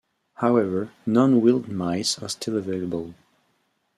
However, non-wheeled mice are still available.